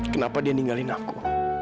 kenapa dia ninggalin aku